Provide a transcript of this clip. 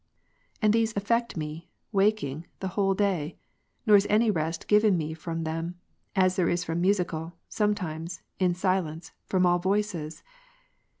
And these affect me, waking, the whole day, nor is any rest given me from them, as there is from musical, sometimes, in silence, from all voices.